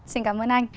xin cảm ơn anh